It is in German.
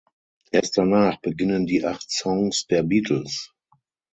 Erst danach beginnen die acht Songs der Beatles.